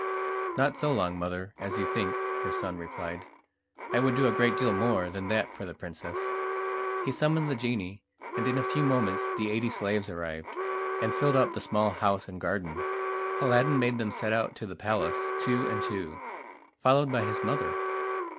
"Not so long, mother, as you think," her son replied "I would do a great deal more than that for the princess." He summoned the genie, and in a few moments the eighty slaves arrived, and filled up the small house and garden. Aladdin made them set out to the palace, two and two, followed by his mother.